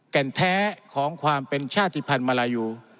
แก่นแท้ของความเป็นชาติภัณฑ์มาลายู